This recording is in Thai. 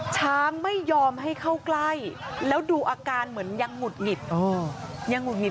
ช้างไม่ยอมให้เข้าใกล้แล้วดูอาการเหมือนยังหุดหงิดยังหุดหิด